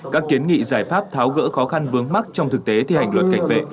các kiến nghị giải pháp tháo gỡ khó khăn vướng mắt trong thực tế thi hành luật cảnh vệ